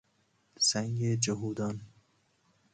سنگ جهودان